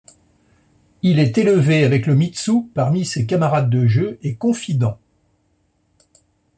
Il est élevé avec Iemitsu parmi ses camarades de jeu et confidents.